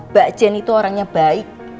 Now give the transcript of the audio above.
mbak jen itu orangnya baik